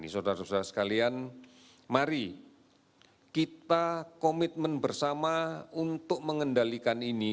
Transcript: saudara saudara sekalian mari kita komitmen bersama untuk mengendalikan ini